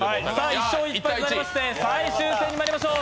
１勝１敗になりまして最終戦にまいりましょう。